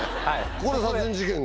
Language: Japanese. ここで殺人事件が。